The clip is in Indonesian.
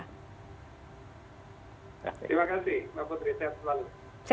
terima kasih pak putri